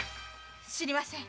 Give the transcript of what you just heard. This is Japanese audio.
知りません。